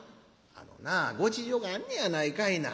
『あのなご事情があんねやないかいな。